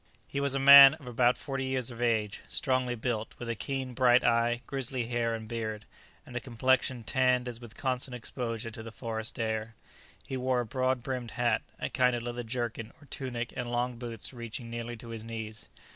He was a man of about forty years of age, strongly built, with a keen, bright eye, grizzly hair and beard, and a complexion tanned as with constant exposure to the forest air. He wore a broad brimmed hat, a kind of leather jerkin, or tunic, and long boots reaching nearly to his knees.